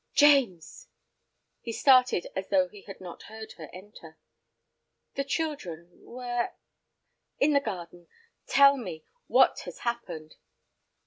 "James!" He started as though he had not heard her enter. "The children, where—?" "In the garden. Tell me, what has happened?"